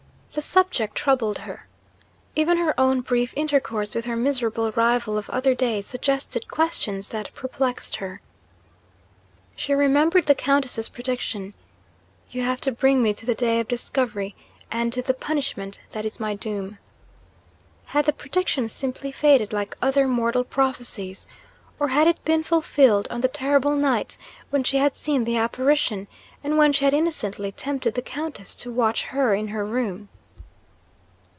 The subject troubled her. Even her own brief intercourse with her miserable rival of other days suggested questions that perplexed her. She remembered the Countess's prediction. 'You have to bring me to the day of discovery, and to the punishment that is my doom.' Had the prediction simply faded, like other mortal prophecies? or had it been fulfilled on the terrible night when she had seen the apparition, and when she had innocently tempted the Countess to watch her in her room?